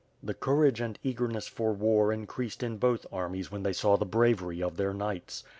The courage and eagerness for war increased in both armies when they saw the bravery of their knights.